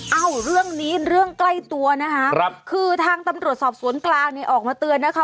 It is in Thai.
เอ้าเรื่องนี้เรื่องใกล้ตัวนะคะครับคือทางตำรวจสอบสวนกลางเนี่ยออกมาเตือนนะคะ